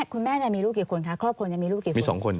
คุณแม่จะมีลูกอยู่กันค่ะครอบครัวอย่างมีลูกกี่คุณมี๒คน